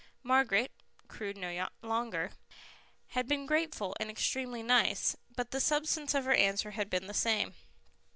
Margaret, crude no longer, had been grateful and extremely nice, but the substance of her answer had been the same.